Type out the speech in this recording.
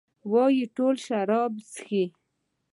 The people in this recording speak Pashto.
وايي ټول شراب چښي.